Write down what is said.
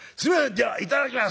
じゃあいただきます！』